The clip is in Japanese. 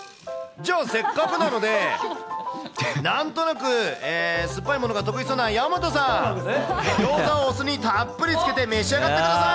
じゃあ、せっかくなので、なんとなく酸っぱいものが得意そうな矢本さん、ギョーザをお酢にたっぷりつけて召し上がってください。